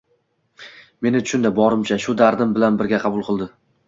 Meni tushundi, borimcha, shu dardim bilan birga qabul qildi